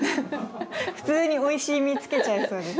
普通においしい実つけちゃいそうです